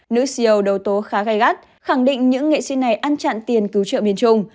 nữ ceo đầu tố khá gai gắt khẳng định những nghệ sĩ này ăn chặn tiền cứu trợ miền trung